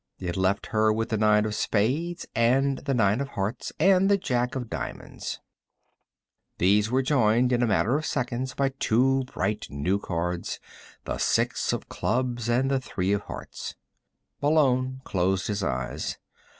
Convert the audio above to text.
It left her with the nine of spades and the nine of hearts, and the Jack of diamonds. These were joined, in a matter of seconds, by two bright new cards: the six of clubs and the three of hearts. Malone closed his eyes.